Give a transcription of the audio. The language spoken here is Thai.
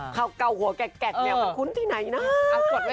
เก่าขัวแกะมันคุ้นที่ไหนนะ